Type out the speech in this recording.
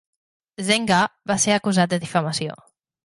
Zenger va ser acusat de difamació.